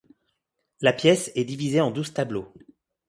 La pièce est divisée en douze tableaux.